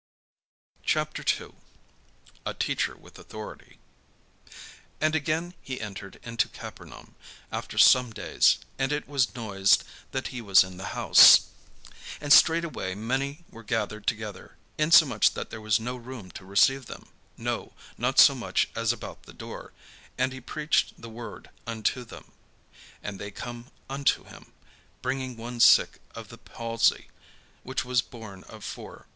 CHAPTER II A TEACHER WITH AUTHORITY And again he entered into Capernaum after some days; and it was noised that he was in the house. And straightway many were gathered together, insomuch that there was no room to receive them, no, not so much as about the door: and he preached the word unto them. And they come unto him, bringing one sick of the palsy, which was borne of four.